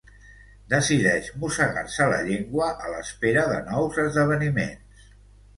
Decideix mossegar-se la llengua a l'espera de nous esdeveniments.